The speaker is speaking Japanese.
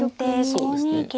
そうですね。